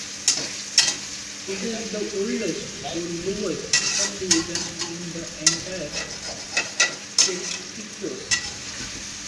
It is the oldest, or lowest, subdivision in the entire Cretaceous.